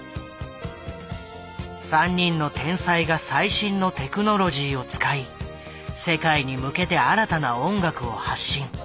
３人の天才が最新のテクノロジーを使い世界に向けて新たな音楽を発信。